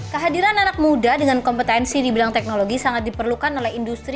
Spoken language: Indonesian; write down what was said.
kehadiran anak muda dengan kompetensi di bidang teknologi sangat diperlukan oleh industri